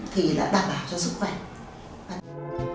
thì là đảm bảo cho sức khỏe